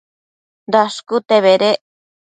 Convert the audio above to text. Dashcute bedec